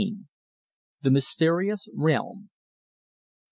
THE MYSTERIOUS REALM.